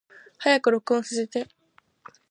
早く録音させて